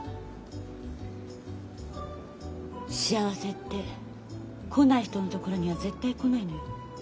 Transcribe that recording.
幸せって来ない人のところには絶対来ないのよ。